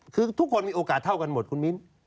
คือทุกคนมีโอกาสเท่ากันหมดคุณมิ้น